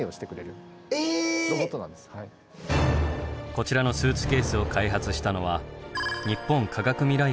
こちらのスーツケースを開発したのは日本科学未来館